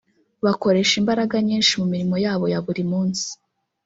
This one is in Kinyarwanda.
bakoresha imbaraga nyinshi mu mirimo yabo ya buri munsi